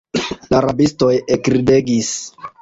La rabistoj ekridegis.